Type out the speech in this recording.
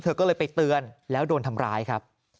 เธอก็เลยไปเตือนแล้วโดนทำร้ายครับ